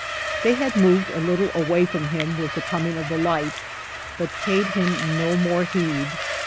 They had moved a little away from him with the coming of the light, but paid him no more heed.